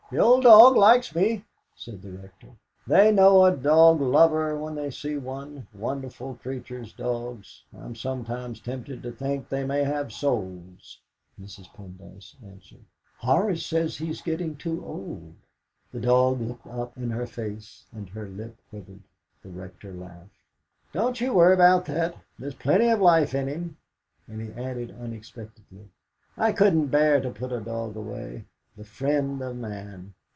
"The old dog likes me," said the Rector; "they know a dog lover when they see one wonderful creatures, dogs! I'm sometimes tempted to think they may have souls!" Mrs. Pendyce answered: "Horace says he's getting too old." The dog looked up in her face, and her lip quivered. The Rector laughed. "Don't you worry about that; there's plenty of life in him." And he added unexpectedly: "I couldn't bear to put a dog away, the friend of man.